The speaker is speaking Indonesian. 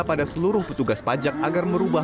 pada seluruh petugas pajak agar merubah